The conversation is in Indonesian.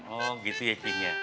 oh gitu ya cik